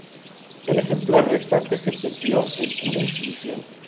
El ejemplar restante se perdió en una exhibición.